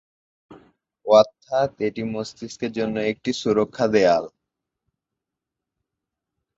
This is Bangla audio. অর্থাৎ এটি মস্তিষ্কের জন্য একটি সুরক্ষা দেয়াল।